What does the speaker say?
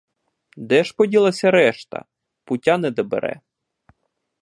Де ж поділася решта — пуття не добере.